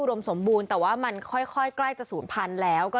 สมบูรณ์แต่ว่ามันค่อยใกล้จะศูนย์พันธุ์แล้วก็